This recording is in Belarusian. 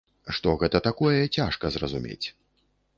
Што гэта такое, цяжка зразумець.